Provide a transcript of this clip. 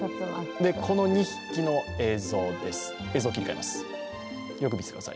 この２匹の映像です。